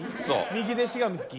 右でしがみつき？